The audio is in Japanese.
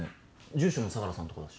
住所も相良さんとこだし。